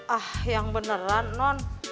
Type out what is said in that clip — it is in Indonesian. ah yang beneran non